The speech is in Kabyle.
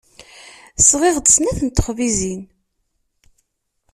Sɣiɣ-d snat n texbizin.